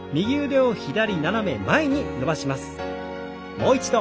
もう一度。